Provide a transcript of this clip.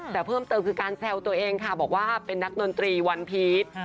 แต่เพิ่มเติมคือการแซวตัวเองค่ะบอกว่าเป็นนักดนตรีวันพีช